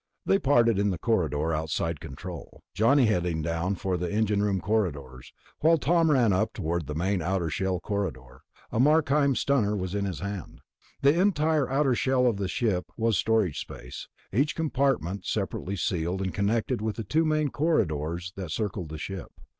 They parted in the corridor outside control, Johnny heading down for the engine room corridors, while Tom ran up toward the main outer shell corridor, a Markheim stunner in his hand. The entire outer shell of the ship was storage space, each compartment separately sealed and connected with the two main corridors that circled the ship.